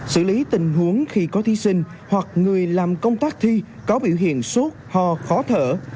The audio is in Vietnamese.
xử lý tình huống khi có thí sinh hoặc người làm công tác thi có biểu hiện sốt ho khó thở